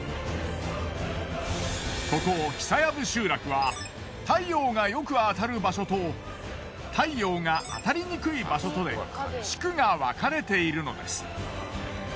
ここ久藪集落は太陽がよく当たる場所と太陽が当たりにくい場所とで地区が分かれているのです。